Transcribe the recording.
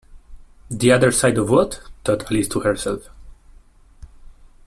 The other side of what?’ thought Alice to herself.